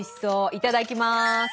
いただきます！